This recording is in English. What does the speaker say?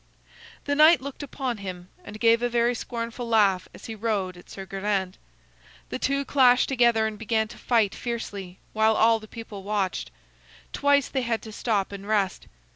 The knight looked upon him, and gave a very scornful laugh as he rode at Sir Geraint. The two clashed together and began to fight fiercely, while all the people watched. Twice they had to stop and rest.